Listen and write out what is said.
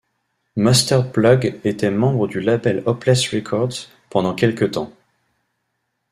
Mustard Plug était membre du label Hopeless Records pendant quelque temps.